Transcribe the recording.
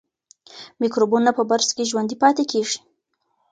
میکروبونه په برس کې ژوندي پاتې کېږي.